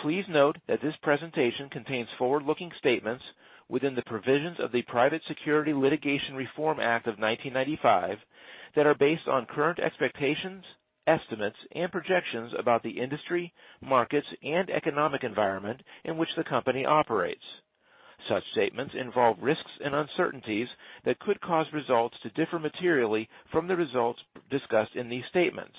Please note that this presentation contains forward-looking statements within the provisions of the Private Securities Litigation Reform Act of 1995 that are based on current expectations, estimates, and projections about the industry, markets, and economic environment in which the company operates. Such statements involve risks and uncertainties that could cause results to differ materially from the results discussed in these statements.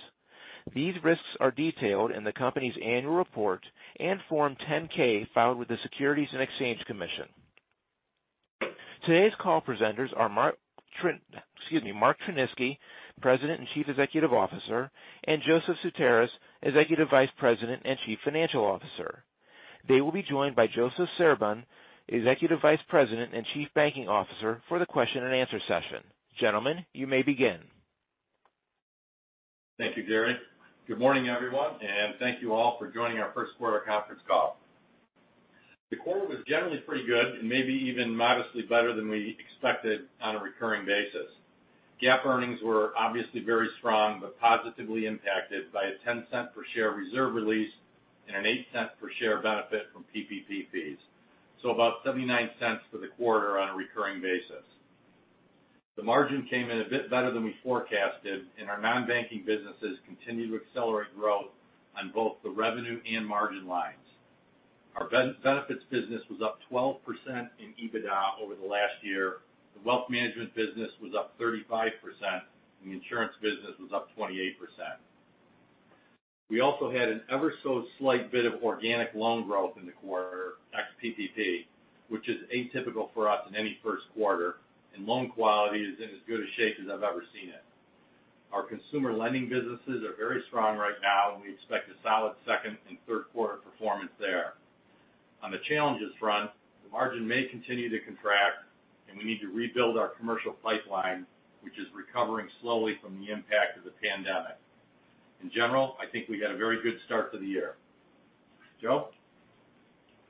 These risks are detailed in the company's annual report and Form 10-K filed with the Securities and Exchange Commission. Today's call presenters are excuse me, Mark Tryniski, President and Chief Executive Officer, and Joseph Sutaris, Executive Vice President and Chief Financial Officer. They will be joined by Joseph Serbun, Executive Vice President and Chief Banking Officer, for the question-and-answer session. Gentlemen, you may begin. Thank you, Gary. Good morning, everyone, and thank you all for joining our first-quarter conference call. The quarter was generally pretty good and maybe even modestly better than we expected on a recurring basis. GAAP earnings were obviously very strong, but positively impacted by a $0.10 per share reserve release and a $0.08 per share benefit from PPP fees. About $0.79 for the quarter on a recurring basis. The margin came in a bit better than we forecasted, and our non-banking businesses continue to accelerate growth on both the revenue and margin lines. Our benefits business was up 12% in EBITDA over the last year. The wealth management business was up 35%, and the insurance business was up 28%. We also had an ever so slight bit of organic loan growth in the quarter ex PPP, which is atypical for us in any first quarter, and loan quality is in as good a shape as I've ever seen it. We expect a solid second and third quarter performance there. On the challenges front, the margin may continue to contract. We need to rebuild our commercial pipeline, which is recovering slowly from the impact of the pandemic. In general, I think we got a very good start to the year. Joe?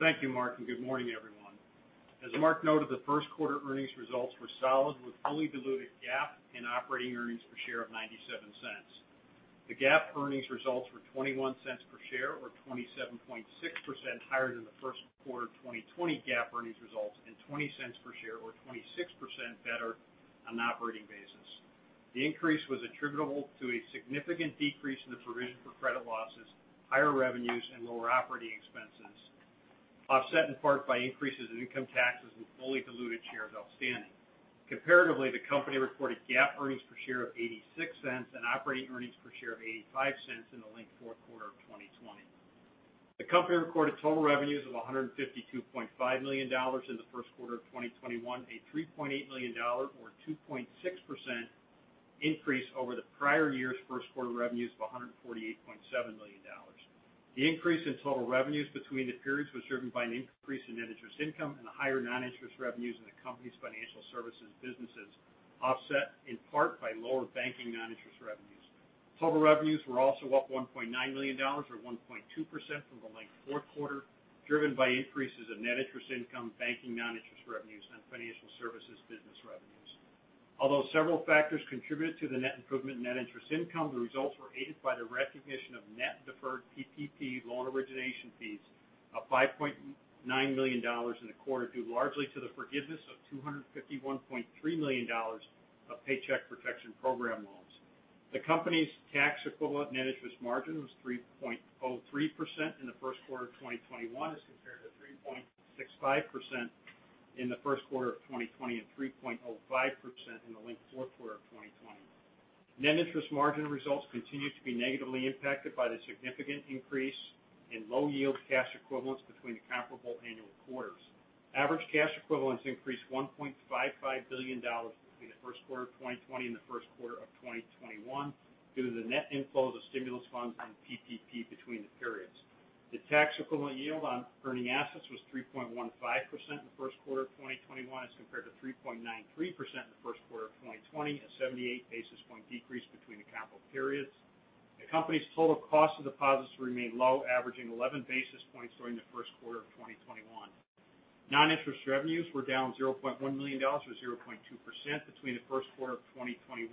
Thank you, Mark, and good morning, everyone. As Mark noted, the first quarter earnings results were solid, with fully diluted GAAP in operating earnings per share of $0.97. The GAAP earnings results were $0.21 per share, or 27.6% higher than the first quarter 2020 GAAP earnings results and $0.20 per share or 26% better on an operating basis. The increase was attributable to a significant decrease in the provision for credit losses, higher revenues, and lower operating expenses, offset in part by increases in income taxes with fully diluted shares outstanding. Comparatively, the company reported GAAP earnings per share of $0.86 and operating earnings per share of $0.85 in the linked fourth quarter of 2020. The company reported total revenues of $152.5 million in the first quarter of 2021, a $3.8 million, or 2.6%, increase over the prior year's first quarter revenues of $148.7 million. The increase in total revenues between the periods was driven by an increase in net interest income and the higher non-interest revenues in the company's financial services businesses, offset in part by lower banking non-interest revenues. Total revenues were also up $1.9 million or 1.2% from the linked fourth quarter, driven by increases of net interest income, banking non-interest revenues and financial services business revenues. Although several factors contributed to the net improvement in net interest income, the results were aided by the recognition of net deferred PPP loan origination fees of $5.9 million in the quarter, due largely to the forgiveness of $251.3 million of Paycheck Protection Program loans. The company's tax-equivalent net interest margin was 3.03% in the first quarter of 2021 as compared to 3.65% in the first quarter of 2020 and 3.05% in the linked fourth quarter of 2020. Net interest margin results continued to be negatively impacted by the significant increase in low-yield cash equivalents between the comparable annual quarters. Average cash equivalents increased $1.55 billion between the first quarter of 2020 and the first quarter of 2021 due to the net inflows of stimulus funds from PPP between the periods. The tax-equivalent yield on earning assets was 3.15% in the first quarter of 2021 as compared to 3.93% in the first quarter of 2020, a 78 basis point decrease between the comparable periods. The company's total cost of deposits remained low, averaging 11 basis points during the first quarter of 2021. Non-interest revenues were down $0.1 million, or 0.2%, between the first quarter of 2021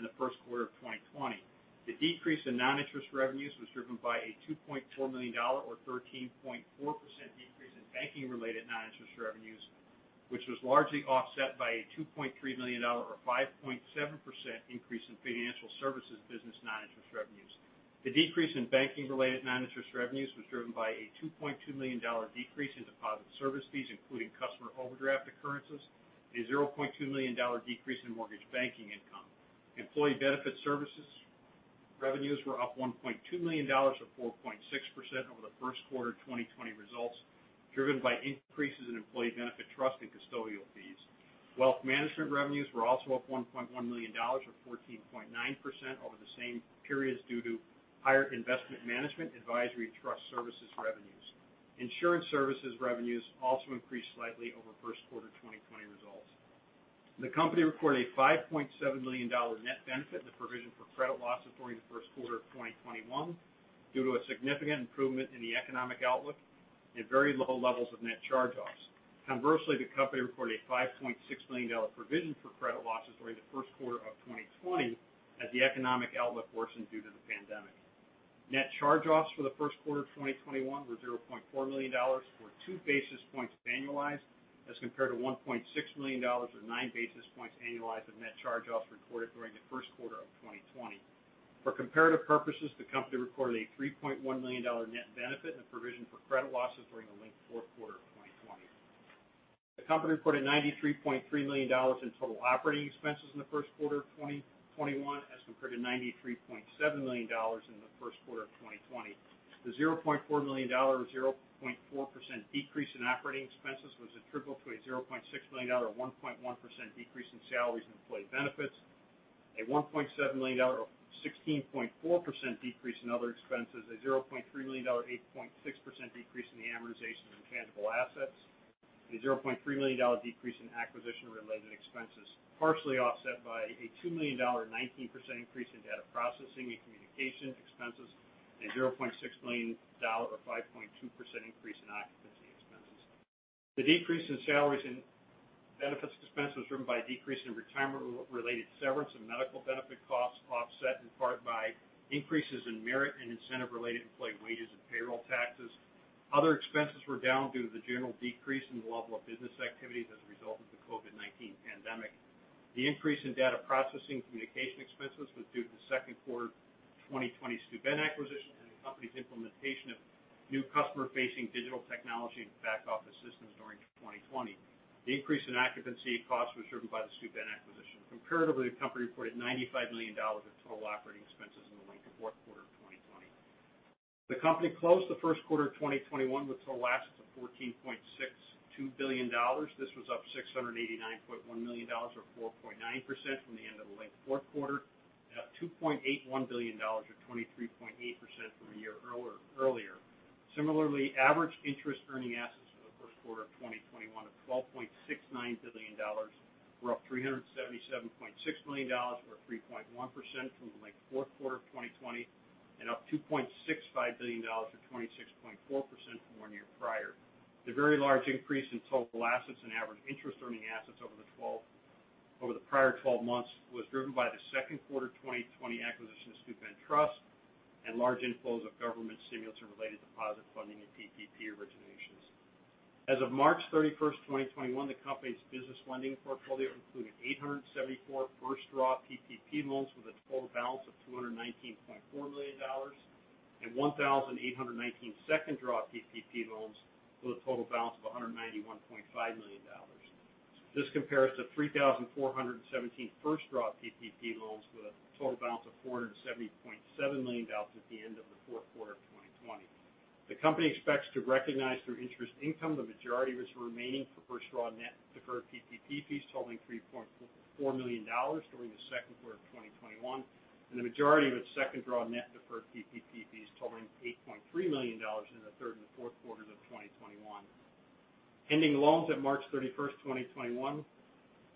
and the first quarter of 2020. The decrease in non-interest revenues was driven by a $2.4 million, or 13.4%, decrease in banking-related non-interest revenues, which was largely offset by a $2.3 million, or 5.7%, increase in financial services business non-interest revenues. The decrease in banking-related non-interest revenues was driven by a $2.2 million decrease in deposit service fees, including customer overdraft occurrences, a $0.2 million decrease in mortgage banking income. Employee benefit services revenues were up $1.2 million or 4.6% over the first quarter 2020 results, driven by increases in employee benefit trust and custodial fees. Wealth management revenues were also up $1.1 million, or 14.9%, over the same period due to higher investment management advisory trust services revenues. Insurance services revenues also increased slightly over first quarter 2020 results. The company recorded a $5.7 million net benefit in the provision for credit losses during the first quarter of 2021 due to a significant improvement in the economic outlook and very low levels of net charge-offs. Conversely, the company reported a $5.6 million provision for credit losses during the first quarter of 2020 as the economic outlook worsened due to the pandemic. Net charge-offs for the first quarter of 2021 were $0.4 million, or two basis points annualized, as compared to $1.6 million or nine basis points annualized of net charge-offs recorded during the first quarter of 2020. For comparative purposes, the company recorded a $3.1 million net benefit in the provision for credit losses during the linked fourth quarter of 2020. The company reported $93.3 million in total operating expenses in the first quarter of 2021, as compared to $93.7 million in the first quarter of 2020. The $0.4 million or 0.4% decrease in operating expenses was attributable to a $0.6 million or 1.1% decrease in salaries and employee benefits, a $1.7 million or 16.4% decrease in other expenses, a $0.3 million or 8.6% decrease in the amortization of intangible assets, and a $0.3 million decrease in acquisition-related expenses, partially offset by a $2 million or 19% increase in data processing and communication expenses, and $0.6 million or 5.2% increase in occupancy expenses. The decrease in salaries and benefits expense was driven by a decrease in retirement-related severance and medical benefit costs, offset in part by increases in merit and incentive-related employee wages and payroll taxes. Other expenses were down due to the general decrease in the level of business activities as a result of the COVID-19 pandemic. The increase in data processing communication expenses was due to the second quarter 2020 Steuben acquisition and the company's implementation of new customer-facing digital technology and back office systems during 2020. The increase in occupancy costs was driven by the Steuben acquisition. Comparatively, the company reported $95 million in total operating expenses in the linked fourth quarter of 2020. The company closed the first quarter of 2021 with total assets of $14.62 billion. This was up $689.1 million or 4.9% from the end of the linked fourth quarter and up $2.81 billion or 23.8% from one year earlier. Similarly, average interest-earning assets for the first quarter of 2021 of $12.69 billion were up $377.6 million or 3.1% from the linked fourth quarter of 2020 and up $2.65 billion or 26.4% from one year prior. The very large increase in total assets and average interest-earning assets over the prior 12 months was driven by the second quarter 2020 acquisition of Steuben Trust and large inflows of government stimulus and related deposit funding and PPP originations. As of March 31st, 2021, the company's business lending portfolio included 874 first-draw PPP loans with a total balance of $219.4 million and 1,819 second-draw PPP loans with a total balance of $191.5 million. This compares to 3,417 first-draw PPP loans with a total balance of $470.7 million at the end of the fourth quarter of 2020. The company expects to recognize through interest income the majority of its remaining for first-draw net deferred PPP fees totaling $3.4 million during the second quarter of 2021, and the majority of its second-draw net deferred PPP fees totaling $8.3 million in the third and the fourth quarters of 2021. Ending loans at March 31st, 2021,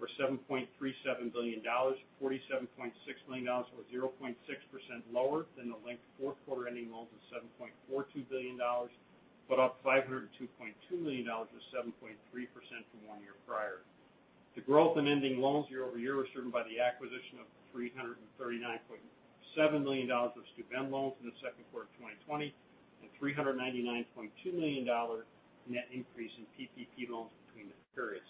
were $7.37 billion, $47.6 million, or 0.6% lower than the linked fourth quarter ending loans of $7.42 billion, but up $502.2 million or 7.3% from one year prior. The growth in ending loans year-over-year was driven by the acquisition of $339.7 million of Steuben loans in the second quarter of 2020 and $399.2 million net increase in PPP loans between the periods.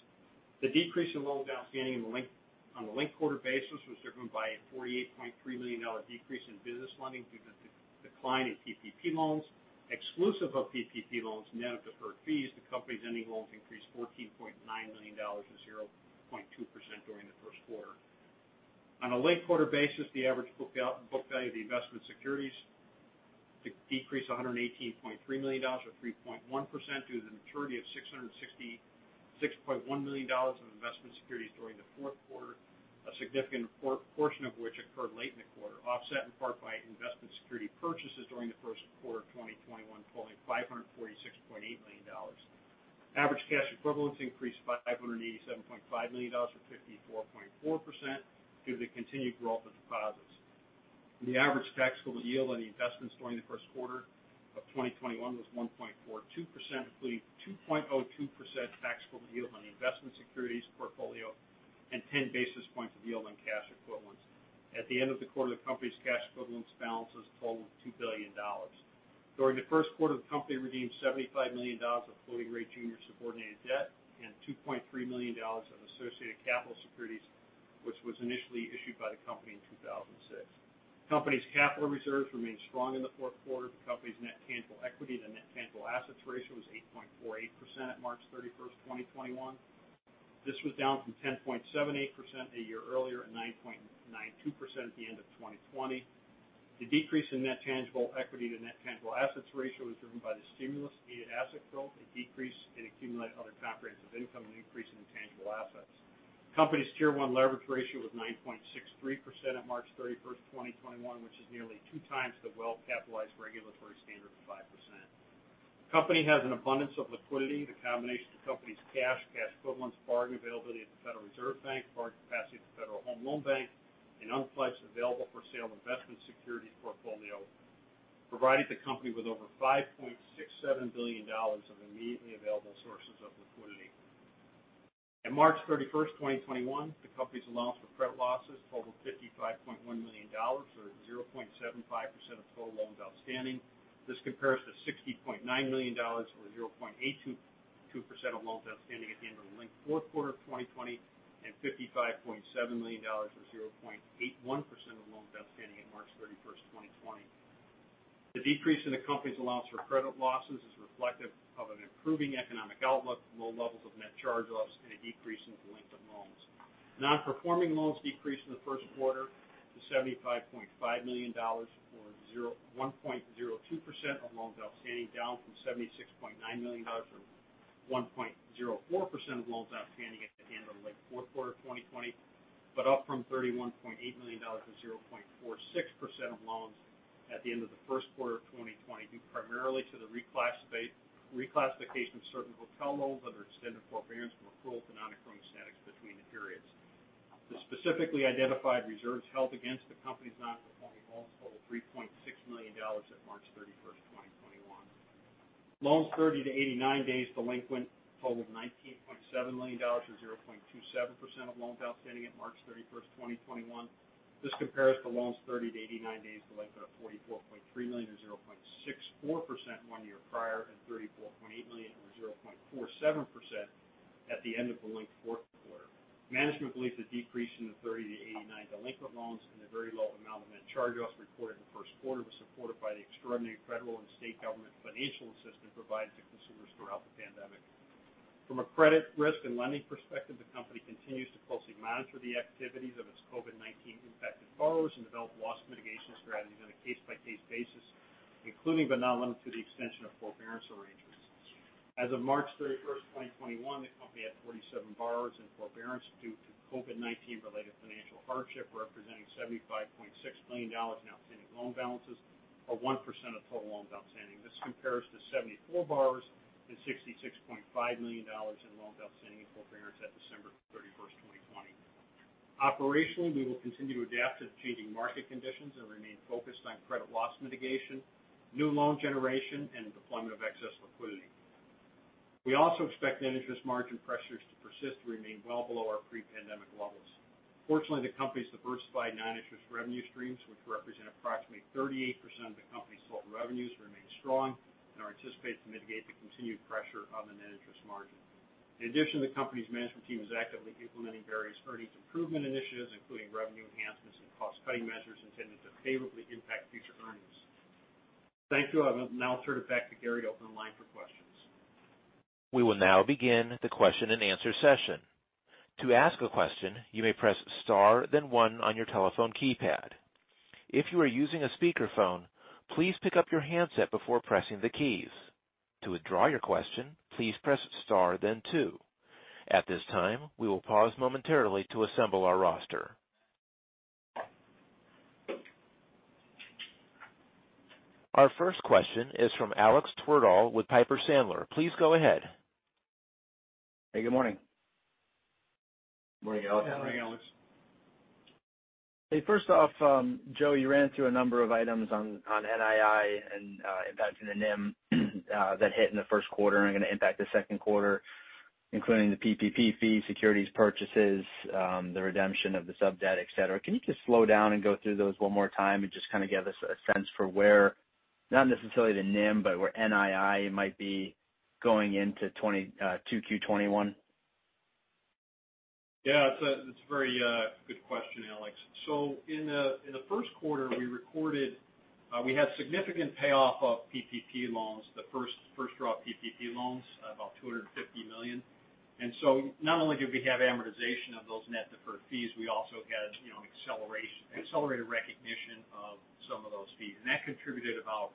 The decrease in loans outstanding on a linked-quarter basis was driven by a $48.3 million decrease in business lending due to the decline in PPP loans. Exclusive of PPP loans net of deferred fees, the company's ending loans increased $14.9 million or 0.2% during the first quarter. On a linked quarter basis, the average book value of the investment securities decreased $118.3 million or 3.1% due to the maturity of $666.1 million of investment securities during the fourth quarter, a significant portion of which occurred late in the quarter, offset in part by investment security purchases during the first quarter of 2021 totaling $546.8 million. Average cash equivalents increased by $587.5 million or 54.4% due to the continued growth of deposits. The average taxable yield on the investments during the first quarter of 2021 was 1.42%, including 2.02% taxable yield on the investment securities portfolio and 10 basis points of yield on cash equivalents. At the end of the quarter, the company's cash equivalents balances totaled $2 billion. During the first quarter, the company redeemed $75 million of floating rate junior subordinated debt and $2.3 million of associated capital securities, which was initially issued by the company in 2006. The company's capital reserves remained strong in the fourth quarter. The company's net tangible equity to net tangible assets ratio was 8.48% at March 31st, 2021. This was down from 10.78% a year earlier and 9.92% at the end of 2020. The decrease in net tangible equity to net tangible assets ratio is driven by the stimulus-aided asset growth, a decrease in accumulated other comprehensive income, and an increase in tangible assets. Company's Tier 1 Leverage Ratio was 9.63% on March 31st, 2021, which is nearly two times the well-capitalized regulatory standard of 5%. Company has an abundance of liquidity. The combination of the company's cash equivalents, borrowing availability at the Federal Reserve Bank, borrowing capacity at the Federal Home Loan Bank, and unpledged available for sale investment securities portfolio provided the company with over $5.67 billion of immediately available sources of liquidity. At March 31st, 2021, the company's allowance for credit losses totaled $55.1 million, or 0.75% of total loans outstanding. This compares to $60.9 million or 0.82% of loans outstanding at the end of the linked fourth quarter of 2020, and $55.7 million or 0.81% of loans outstanding at March 31st, 2020. The decrease in the company's allowance for credit losses is reflective of an improving economic outlook, low levels of net charge-offs, and a decrease in delinquent loans. Non-performing loans decreased in the first quarter to $75.5 million, or 1.02% of loans outstanding, down from $76.9 million or 1.04% of loans outstanding at the end of the linked fourth quarter 2020, but up from $31.8 million or 0.46% of loans at the end of the first quarter of 2020, due primarily to the reclassification of certain hotel loans under extended forbearance from accrual to non-accruing status between the periods. The specifically identified reserves held against the company's non-performing loans totaled $3.6 million at March 31st, 2021. Loans 30 to 89 days delinquent totaled $19.7 million or 0.27% of loans outstanding at March 31st, 2021. This compares to loans 30 to 89 days delinquent of $44.3 million or 0.64% one year prior, and $34.8 million or 0.47% at the end of the linked fourth quarter. Management believes the decrease in the 30 - 89 delinquent loans and the very low amount of net charge-offs reported in the first quarter was supported by the extraordinary federal and state government financial assistance provided to consumers throughout the pandemic. From a credit risk and lending perspective, the company continues to closely monitor the activities of its COVID-19 infected borrowers and develop loss mitigation strategies on a case-by-case basis, including but not limited to the extension of forbearance arrangements. As of March 31, 2021, the company had 47 borrowers in forbearance due to COVID-19 related financial hardship, representing $75.6 million in outstanding loan balances or 1% of total loans outstanding. This compares to 74 borrowers and $66.5 million in loans outstanding in forbearance at December 31, 2020. Operationally, we will continue to adapt to the changing market conditions and remain focused on credit loss mitigation, new loan generation, and deployment of excess liquidity. We also expect net interest margin pressures to persist and remain well below our pre-pandemic levels. Fortunately, the company's diversified non-interest revenue streams, which represent approximately 38% of the company's total revenues, remain strong and are anticipated to mitigate the continued pressure on the net interest margin. In addition, the company's management team is actively implementing various earnings improvement initiatives, including revenue enhancements and cost-cutting measures intended to favorably impact future earnings. Thank you. I will now turn it back to Gary to open the line for questions. We will now begin the question-and-answer session. To ask a question, you may press star then one on your telephone keypad. If you are using a speakerphone, please pick up your handset before pressing the keys. To withdraw your question, please press star then two. At this time, we will pause momentarily to assemble our roster. Our first question is from Alexander Twerdahl with Piper Sandler. Please go ahead. Hey, good morning. Morning, Alex. Hey, first off, Joe, you ran through a number of items on NII and impacting the NIM that hit in the first quarter and are going to impact the second quarter, including the PPP fee, securities purchases, the redemption of the sub-debt, et cetera. Can you just slow down and go through those one more time and just kind of give us a sense for where, not necessarily the NIM, but where NII might be going into 2Q 2021? It's a very good question, Alex. In the first quarter, we had significant payoff of PPP loans, the first draw of PPP loans, about $250 million. Not only did we have amortization of those net deferred fees, we also had an accelerated recognition of some of those fees. That contributed about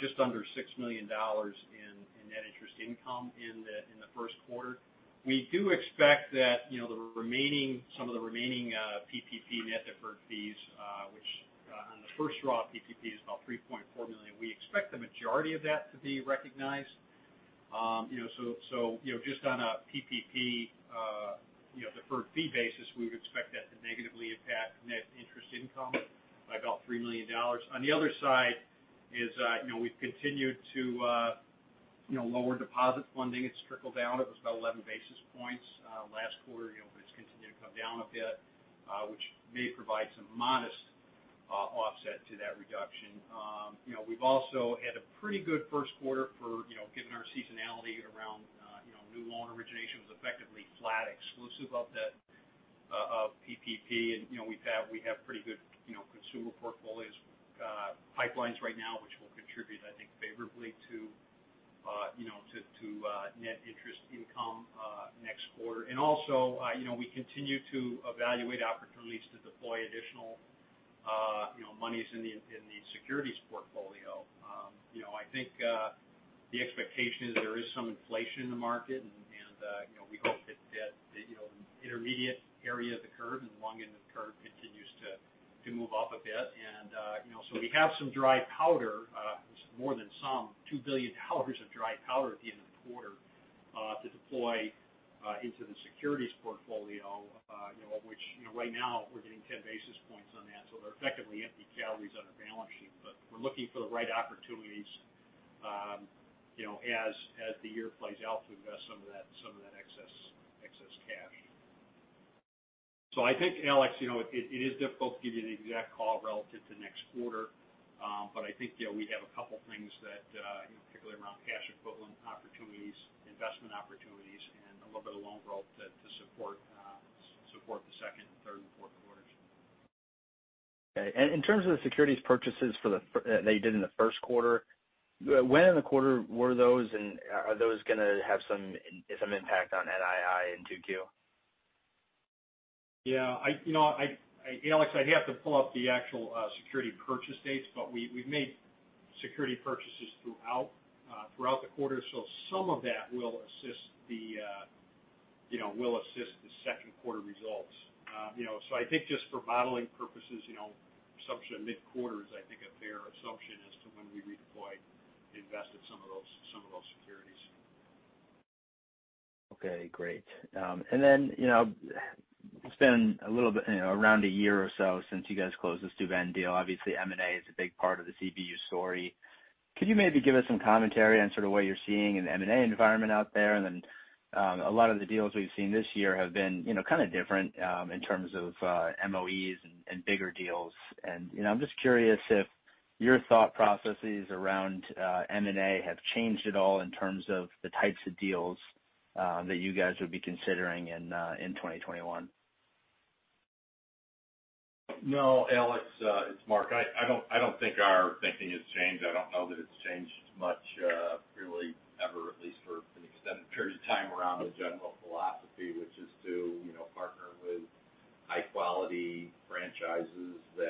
just under $6 million in net interest income in the first quarter. We do expect that some of the remaining PPP net deferred fees, which on the first draw of PPP is about $3.4 million, we expect the majority of that to be recognized. Just on a PPP deferred fee basis, we would expect that to negatively impact net interest income by about $3 million. On the other side is we've continued to lower deposit funding. It's trickled down. It was about 11 basis points last quarter. It's continued to come down a bit, which may provide some modest offset to that reduction. We've also had a pretty good first quarter given our seasonality around new loan originations effectively flat exclusive of that PPP. We have pretty good consumer portfolios Pipelines right now, which will contribute, I think, favorably to net interest income next quarter. We continue to evaluate opportunities to deploy additional monies in the securities portfolio. I think the expectation is that there is some inflation in the market. We hope that the intermediate area of the curve and the long end of the curve continues to move up a bit. We have some dry powder, more than some, $2 billion of dry powder at the end of the quarter, to deploy into the securities portfolio which, right now we're getting 10 basis points on that. They're effectively empty calories on our balance sheet. We're looking for the right opportunities as the year plays out to invest some of that excess cash. I think, Alex, it is difficult to give you an exact call relative to next quarter. I think we have a couple things that, particularly around cash equivalent opportunities, investment opportunities, and a little bit of loan growth to support the second and third and fourth quarters. Okay. In terms of the securities purchases that you did in the first quarter, when in the quarter were those, and are those going to have some impact on NII in 2Q? Yeah. Alex, I'd have to pull up the actual security purchase dates. We've made security purchases throughout the quarter. Some of that will assist the second quarter results. I think just for modeling purposes, assumption mid-quarter is I think a fair assumption as to when we redeployed and invested some of those securities. Okay, great. It's been around a year or so since you guys closed the Steuben deal. Obviously, M&A is a big part of the CBU story. Could you maybe give us some commentary on sort of what you're seeing in the M&A environment out there? A lot of the deals we've seen this year have been kind of different in terms of MOEs and bigger deals. I'm just curious if your thought processes around M&A have changed at all in terms of the types of deals that you guys would be considering in 2021. No, Alex, it's Mark. I don't think our thinking has changed. I don't know that it's changed much really ever, at least for an extended period of time around the general philosophy, which is to partner with high-quality franchises that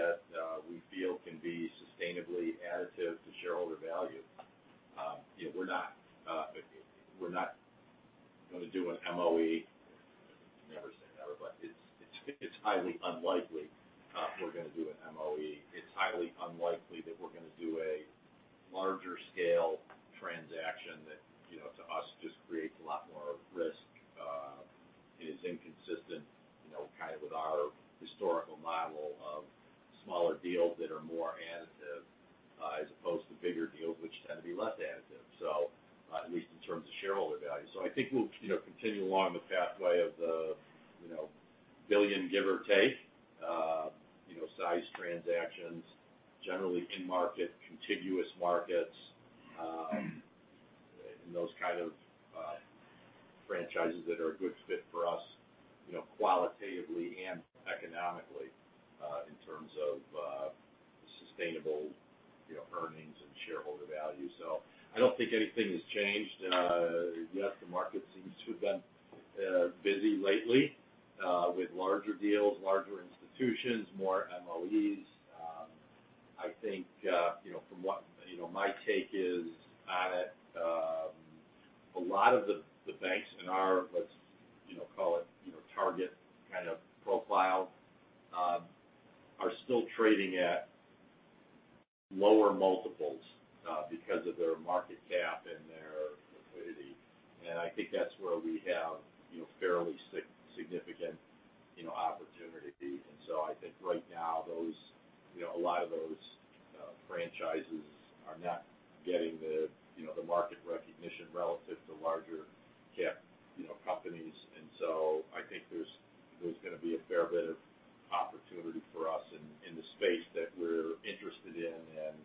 fair bit of opportunity for us in the space that we're interested in, and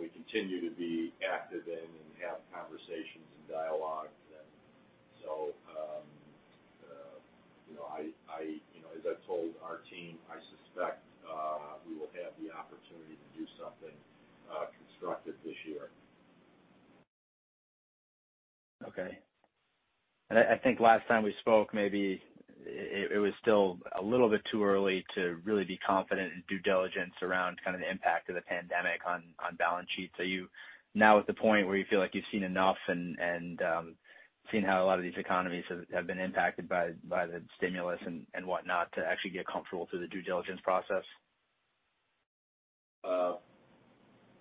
we continue to be active in and have conversations and dialogue. As I've told our team, I suspect we will have the opportunity to do something constructive this year. Okay. I think last time we spoke, maybe it was still a little bit too early to really be confident in due diligence around kind of the impact of the pandemic on balance sheets. Are you now at the point where you feel like you've seen enough and seen how a lot of these economies have been impacted by the stimulus and whatnot to actually get comfortable through the due diligence process?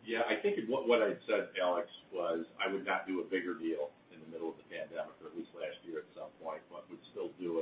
Yeah. I think what I had said, Alex, was I would not do a bigger deal in the middle of the pandemic, or at least last year at some point. We'd still do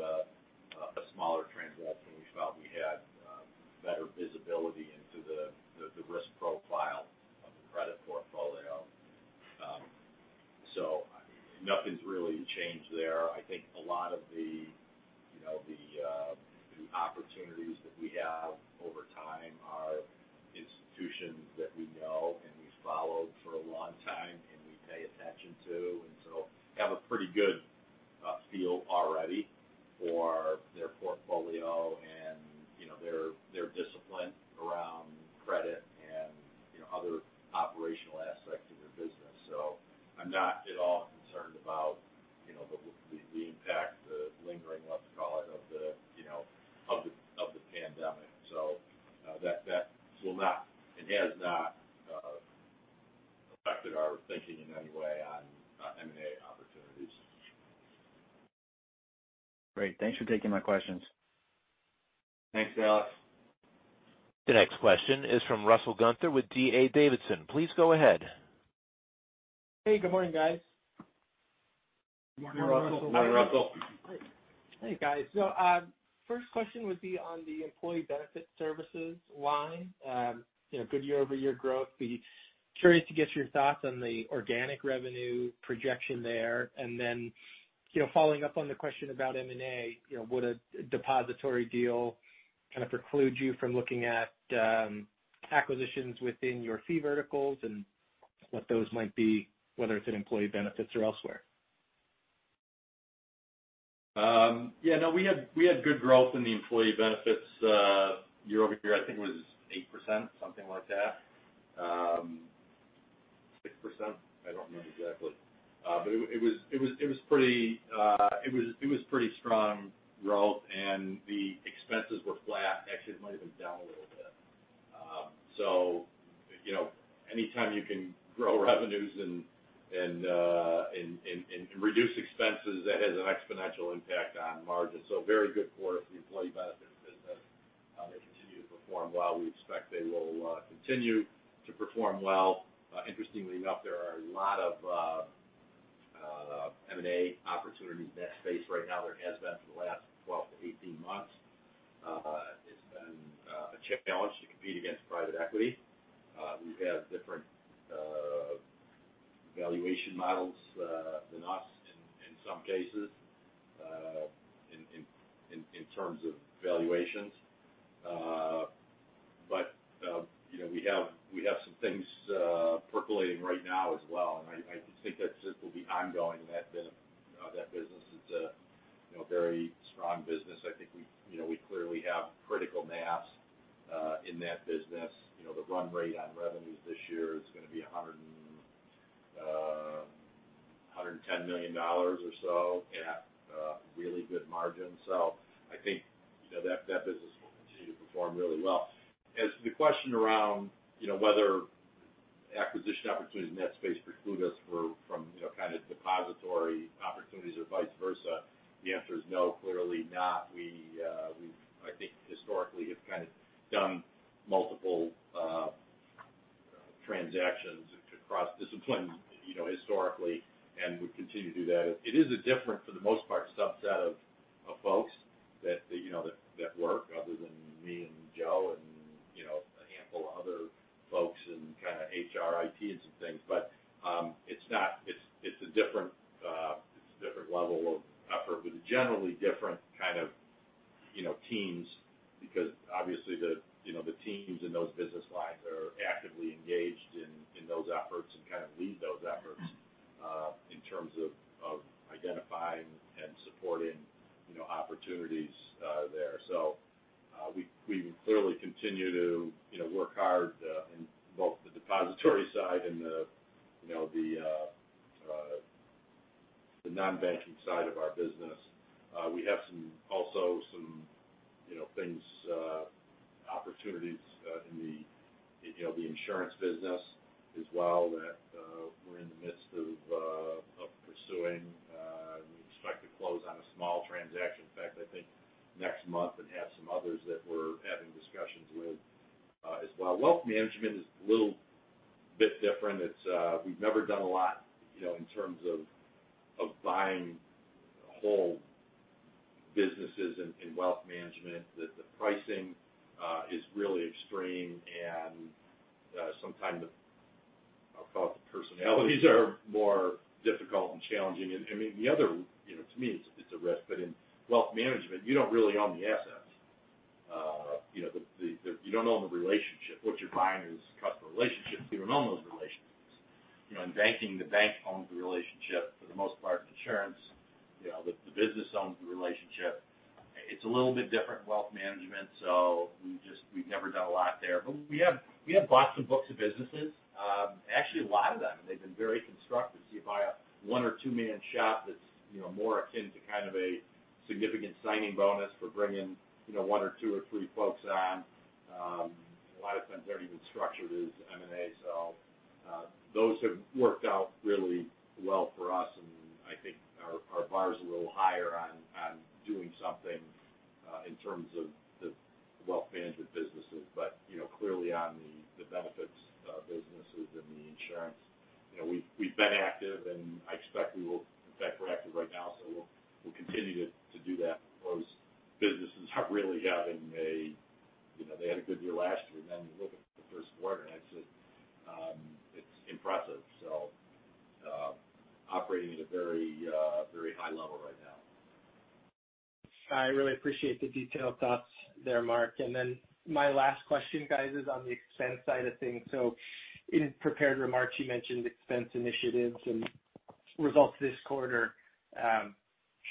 Following up on the question about M&A, would a depository deal kind of preclude you from looking at acquisitions within your fee verticals and what those might be, whether it's in employee benefits or elsewhere? Yeah, no. We had good growth in the employee benefits year-over-year. I think it was 8%, something like that. 6%. I don't remember exactly. It was pretty strong growth, and the expenses were flat. Actually, it might've been down a little bit. Anytime you can grow revenues and reduce expenses, that has an exponential impact on margins. Very good quarter for the employee benefits business. They continue to perform well. We expect they will continue to perform well. Interestingly enough, there are a lot of M&A opportunities in that space right now. There has been for the last 12 - 18 months. It's been a challenge to compete against private equity, who have different valuation models than us in some cases, in terms of valuations. We have some things percolating right now as well, and I think that will be ongoing in that vein. That business is a very strong business. I think we clearly have critical mass in that business. The run rate on revenues this year is going to be $110 million or so at really good margins. I think that business will continue to perform really well. As to the question around whether acquisition opportunities in that space preclude us from kind of depository opportunities or vice versa, the answer is no, clearly not. I think historically, we've kind of done multiple transactions across disciplines historically, and we continue to do that. It is a different, for the most part, subset of folks that work other than me and Joe and a handful of other folks in kind of HR, IT, and some things. It's a different level of effort with generally different kind of teams because obviously the teams in those business lines are actively engaged in those efforts and kind of lead those efforts in terms of identifying and supporting opportunities there. We clearly continue to work hard in both the depository side and the non-banking side of our business. We have also some opportunities in the insurance business as well that we're in the midst of pursuing. We expect to close on a small transaction, in fact, I think next month, and have some others that we're having discussions with as well. Wealth management is a little bit different. We've never done a lot in terms of buying whole businesses in wealth management. The pricing is really extreme, and sometimes the personalities are more difficult and challenging. To me, it's a risk, but in wealth management, you don't really own the assets. You don't own the relationship. What you're buying is customer relationships. You don't own those relationships. In banking, the bank owns the relationship for the most part. Insurance, the business owns the relationship. It's a little bit different in wealth management, so we've never done a lot there. We have bought some books of businesses. Actually, a lot of them, and they've been very constructive. You buy a one or two-man shop that's more akin to kind of a significant signing bonus for bringing one or two or three folks on. A lot of times they're even structured as M&A. Those have worked out really well for us, and I think our bar is a little higher on doing something in terms of the wealth management businesses. Clearly on the benefits businesses and the insurance, we've been active, and I expect we will. In fact, we're active right now, we'll continue to do that. Those businesses are really having a good year last year. You look at the first quarter, and it's impressive. Operating at a very high level right now. I really appreciate the detailed thoughts there, Mark. My last question, guys, is on the expense side of things. In prepared remarks, you mentioned expense initiatives and results this quarter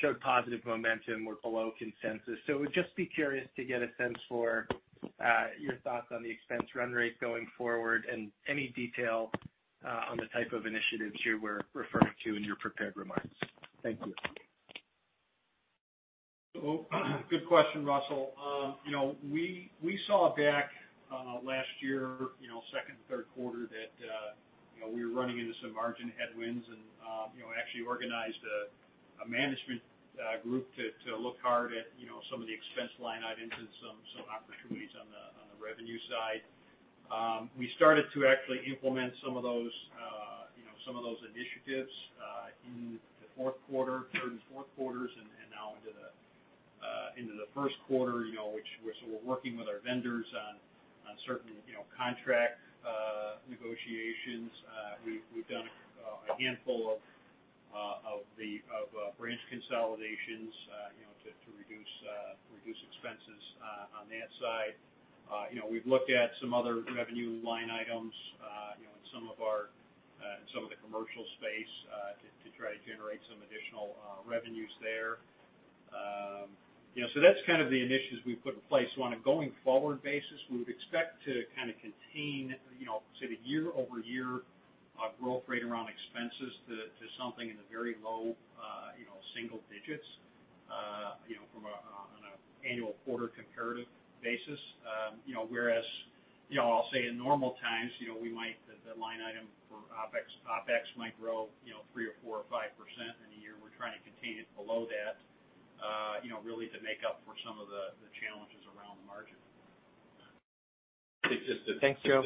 showed positive momentum were below consensus. Would just be curious to get a sense for your thoughts on the expense run rate going forward and any detail on the type of initiatives you were referring to in your prepared remarks. Thank you. Good question, Russell. We saw back last year, second and third quarter that we were running into some margin headwinds and actually organized a management group to look hard at some of the expense line items and some opportunities on the revenue side. We started to actually implement some of those initiatives in the fourth quarter, third and fourth quarters, and now into the first quarter. We're working with our vendors on certain contract negotiations. We've done a handful of branch consolidations to reduce expenses on that side. We've looked at some other revenue line items in some of the commercial space to try to generate some additional revenues there. That's kind of the initiatives we've put in place. On a going forward basis, we would expect to kind of contain, say, the year-over-year growth rate around expenses to something in the very low single digits on an annual quarter comparative basis. I'll say in normal times, the line item for OpEx might grow 3% or 4% or 5% in a year. We're trying to contain it below that really to make up for some of the challenges around the margin. Thanks, Joe.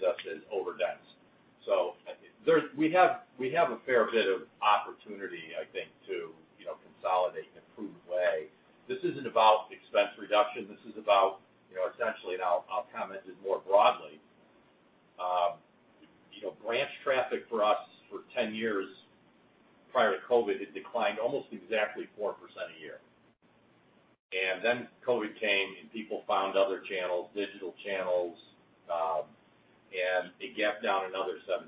us as over-dense. We have a fair bit of opportunity, I think, to consolidate in a prudent way. This isn't about expense reduction. This is about essentially, and I'll comment it more broadly. Branch traffic for us for 10 years prior to COVID had declined almost exactly 4% a year. COVID came, and people found other channels, digital channels, and it gapped down another 17%.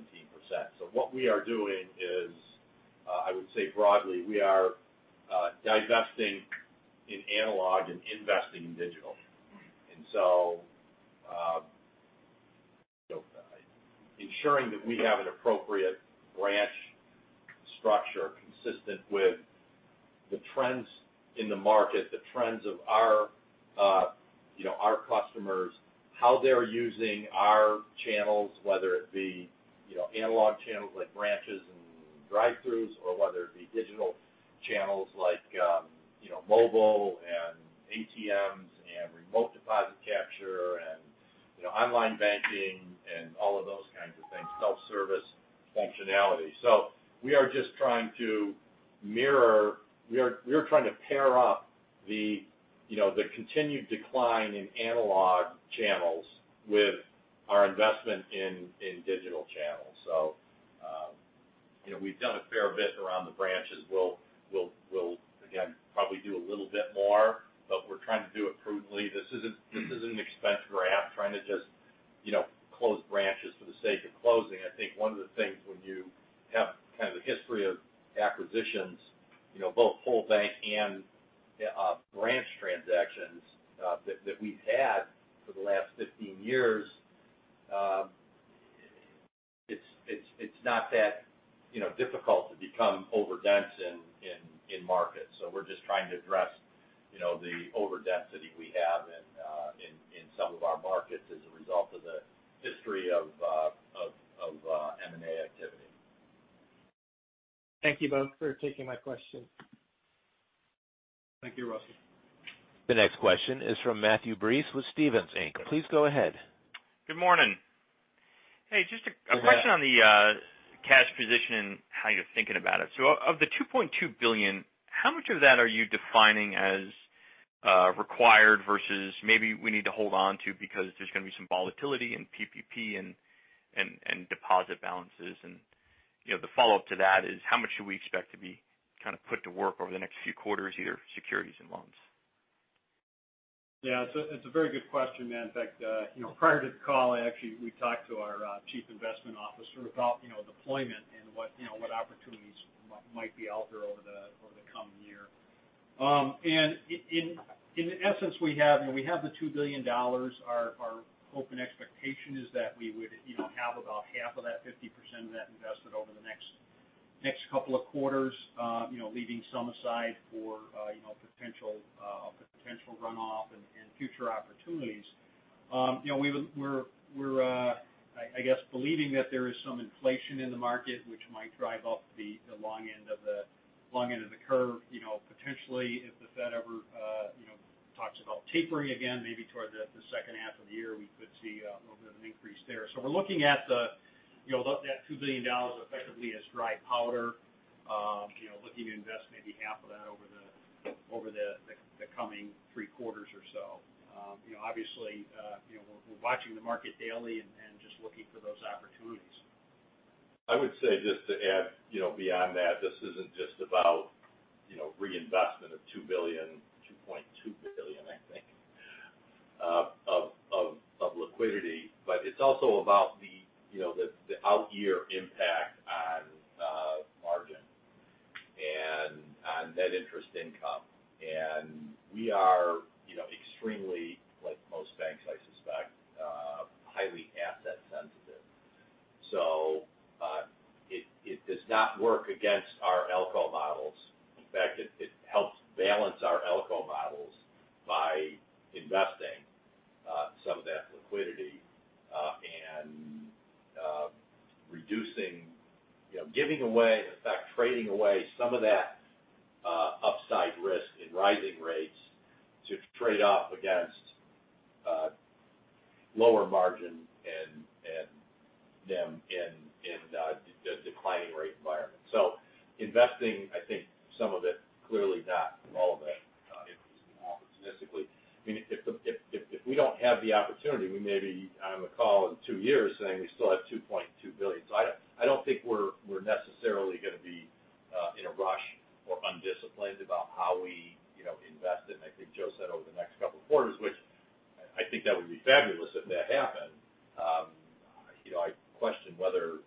What we are doing is, I would say broadly, we are divesting in analog and investing in digital. Ensuring that we have an appropriate branch structure consistent with the trends in the market, the trends of our customers, how they're using our channels, whether it be analog channels like branches and drive-throughs, or whether it be digital channels like mobile and ATMs and remote deposit capture and online banking and all of those kinds of things, self-service functionality. We are just trying to pair up the continued decline in analog channels with our investment in digital channels. We've done a fair bit around the branches. We'll, again, probably do a little bit more, but we're trying to do it prudently. This isn't an expense grab, trying to just close branches for the sake of closing. I think one of the things when you have kind of a history of acquisitions both whole bank and branch transactions that we've had for the last 15 years, it's not, you know, difficult to become overdense in markets. We're just trying to address the overdensity we have in some of our markets as a result of the history of M&A activity. Thank you both for taking my question. Thank you, Russ. The next question is from Matthew Breese with Stephens Inc. Please go ahead. Good morning. Hey, just a question on the cash position and how you're thinking about it. Of the $2.2 billion, how much of that are you defining as required versus maybe we need to hold on to because there's going to be some volatility in PPP and deposit balances and the follow-up to that is how much should we expect to be kind of put to work over the next few quarters, either securities and loans? Yeah. It's a very good question, Matt. In fact prior to the call, actually, we talked to our chief investment officer about deployment and what opportunities might be out there over the coming year. In essence, we have the $2 billion. Our hope and expectation is that we would have about half of that, 50% of that invested over the next couple of quarters leaving some aside for a potential runoff and future opportunities. We're, I guess, believing that there is some inflation in the market which might drive up the long end of the curve. Potentially if the Fed ever talks about tapering again, maybe toward the second half of the year, we could see a little bit of an increase there. We're looking at that $2 billion effectively as dry powder looking to invest maybe half of that over the coming three quarters or so. Obviously, we're watching the market daily and just looking for those opportunities. I would say, just to add beyond that, this isn't just about reinvestment of $2 billion, $2.2 billion, I think of liquidity, but it's also about the out year impact on margin and on net interest income. We are extremely, like most banks, I suspect, highly asset sensitive. It does not work against our ALCO models. In fact, it helps balance our ALCO models by investing some of that liquidity and reducing, giving away, in fact, trading away some of that upside risk in rising rates to trade off against lower margin and NIM in the declining rate environment. Investing, I think some of it, clearly not all of it, opportunistically. If we don't have the opportunity, we may be on a call in two years saying we still have $2.2 billion. I don't think we're necessarily going to be in a rush or undisciplined about how we invest it. I think Joe said over the next couple of quarters, which I think that would be fabulous if that happened. I question whether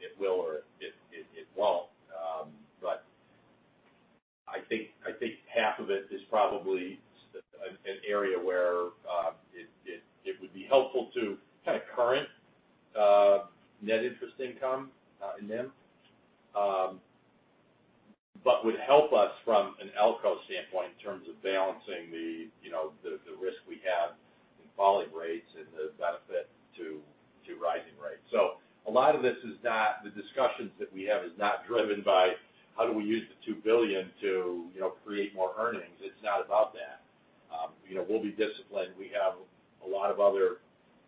it will or it won't. I think half of it is probably an area where it would be helpful to kind of current net interest income in NIM. Would help us from an ALCO standpoint in terms of balancing the risk we have in falling rates and the benefit to rising rates. A lot of this is not the discussions that we have is not driven by how do we use the $2 billion to create more earnings. It's not about that. We'll be disciplined. We have a lot of other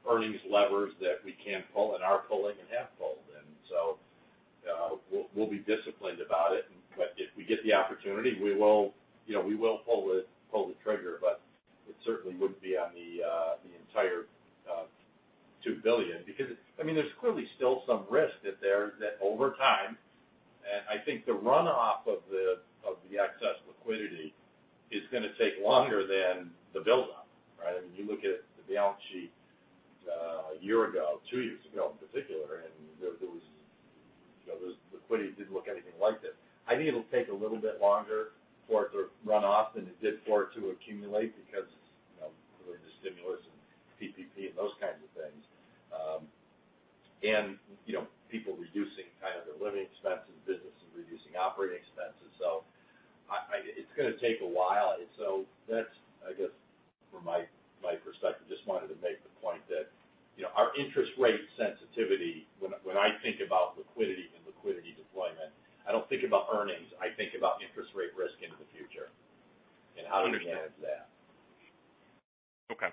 earnings levers that we can pull and are pulling and have pulled. We'll be disciplined about it. If we get the opportunity, we will pull the trigger, but it certainly wouldn't be on the entire $2 billion because there's clearly still some risk that over time, I think the runoff of the excess liquidity is going to take longer than the build up, right? I mean, you look at the balance sheet a year ago, two years ago in particular, the liquidity didn't look anything like this. I think it'll take a little bit longer for it to run off than it did for it to accumulate because clearly the stimulus and PPP and those kinds of things. People reducing kind of their living expenses, businesses reducing operating expenses. It's going to take a while. That's, I guess from my perspective, just wanted to make the point that our interest rate sensitivity when I think about liquidity and liquidity deployment, I don't think about earnings. I think about interest rate risk into the future and how to manage that. Okay.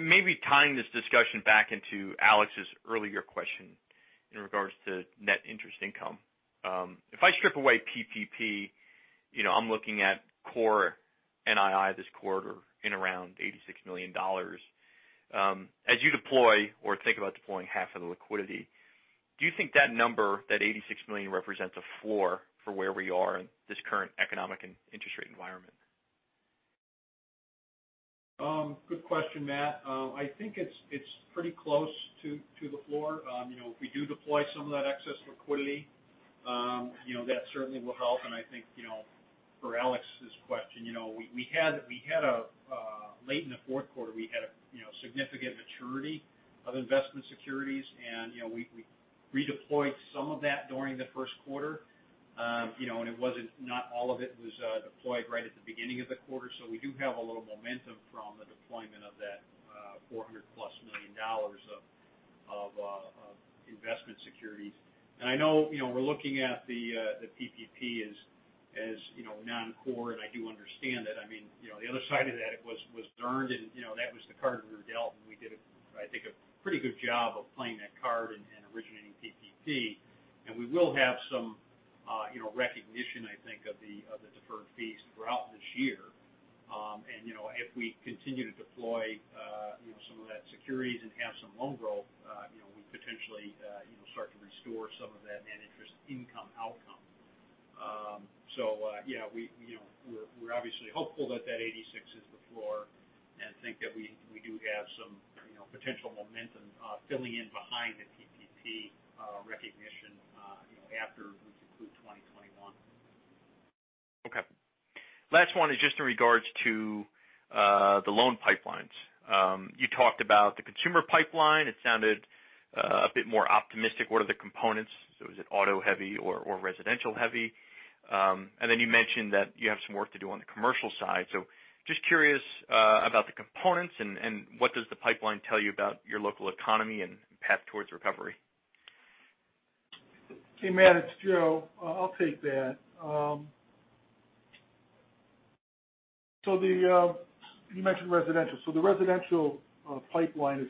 Maybe tying this discussion back into Alex's earlier question in regards to net interest income. If I strip away PPP, I'm looking at core NII this quarter in around $86 million. As you deploy or think about deploying half of the liquidity, do you think that number, that $86 million represents a floor for where we are in this current economic and interest rate environment? Good question, Matt. I think it's pretty close to the floor. If we do deploy some of that excess liquidity. That certainly will help. I think for Alex's question, late in the fourth quarter, we had a significant maturity of investment securities, and we redeployed some of that during the first quarter. Not all of it was deployed right at the beginning of the quarter, so we do have a little momentum from the deployment of that $400+ million of investment securities. I know we're looking at the PPP as non-core, and I do understand that. The other side of that, it was earned, and that was the card we were dealt, and we did, I think, a pretty good job of playing that card and originating PPP. We will have some recognition, I think, of the deferred fees throughout this year. If we continue to deploy some of that securities and have some loan growth, we potentially start to restore some of that net interest income outcome. We're obviously hopeful that 86 is the floor and think that we do have some potential momentum filling in behind the PPP recognition after we conclude 2021. Okay. Last one is just in regards to the loan pipelines. You talked about the consumer pipeline. It sounded a bit more optimistic. What are the components? Is it auto heavy or residential heavy? You mentioned that you have some work to do on the commercial side. Just curious about the components and what does the pipeline tell you about your local economy and path towards recovery? Hey, Matt, it's Joe. I'll take that. You mentioned residential. The residential pipeline is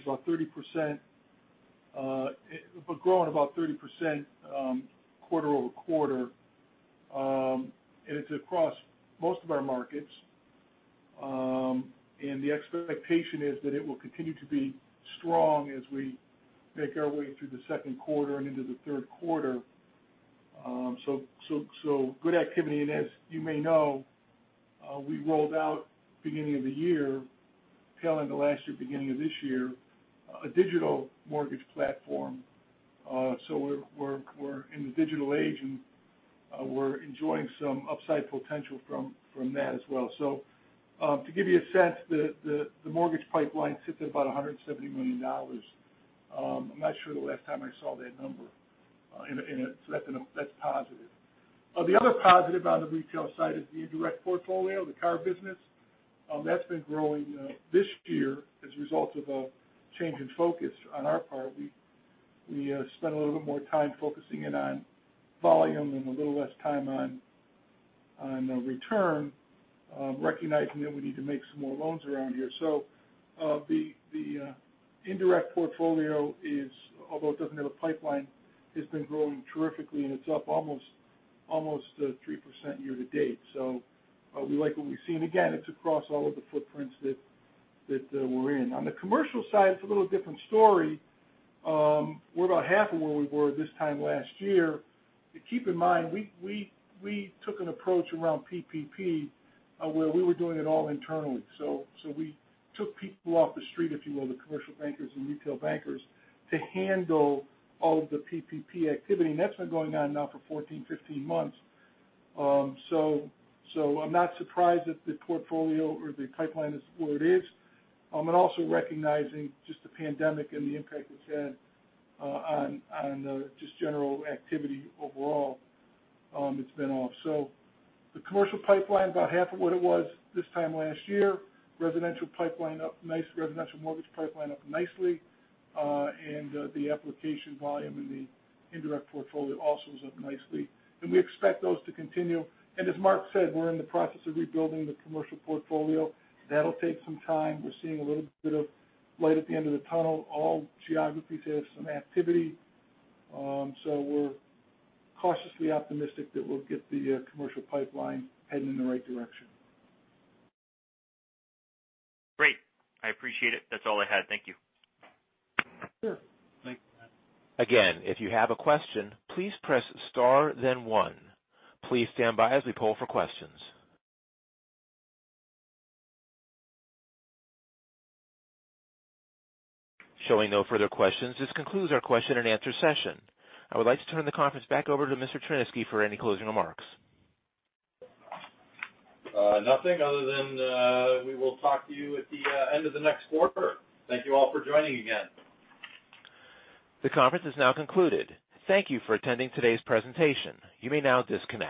growing about 30% quarter-over-quarter. It's across most of our markets. The expectation is that it will continue to be strong as we make our way through the second quarter and into the third quarter. Good activity. As you may know, we rolled out beginning of the year, tail end of last year, beginning of this year, a digital mortgage platform. We're in the digital age, and we're enjoying some upside potential from that as well. To give you a sense, the mortgage pipeline sits at about $170 million. I'm not sure the last time I saw that number. That's positive. The other positive on the retail side is the indirect portfolio, the car business. That's been growing this year as a result of a change in focus on our part. We spent a little bit more time focusing in on volume and a little less time on return, recognizing that we need to make some more loans around here. The indirect portfolio, although it doesn't have a pipeline, has been growing terrifically, and it's up almost 3% year-to-date. We like what we see. Again, it's across all of the footprints that we're in. On the commercial side, it's a little different story. We're about half of where we were this time last year. Keep in mind, we took an approach around PPP where we were doing it all internally. We took people off the street, if you will, the commercial bankers and retail bankers, to handle all of the PPP activity. That's been going on now for 14, 15 months. I'm not surprised that the portfolio or the pipeline is where it is. Also recognizing just the pandemic and the impact it's had on just general activity overall. It's been off. The commercial pipeline is about half of what it was this time last year. Residential mortgage pipeline up nicely. The application volume and the indirect portfolio also is up nicely. We expect those to continue. As Mark said, we're in the process of rebuilding the commercial portfolio. That'll take some time. We're seeing a little bit of light at the end of the tunnel. All geographies have some activity. We're cautiously optimistic that we'll get the commercial pipeline heading in the right direction. Great. I appreciate it. That's all I had. Thank you. Sure. Thanks. Again, if you have a question, please press star then one. Please stand by as we poll for questions. Showing no further questions, this concludes our question-and-answer session. I would like to turn the conference back over to Mr. Tryniski for any closing remarks. Nothing other than we will talk to you at the end of the next quarter. Thank you all for joining again. The conference is now concluded. Thank you for attending today's presentation. You may now disconnect.